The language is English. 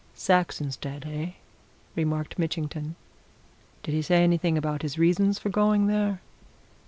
"Saxonsteade, eh?" remarked Mitchington. "Did he say anything about his reasons for going there?"